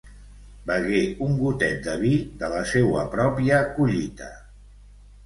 Begué un gotet de vi de la seua pròpia collita.